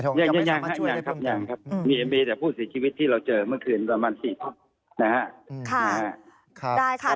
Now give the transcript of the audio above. ยังครับแบบนี้มีแต่ผู้สูญชีวิตที่เราเจอเมื่อคืนประมาณ๔ทุกคนนะครับ